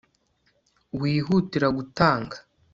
wihutira gutanga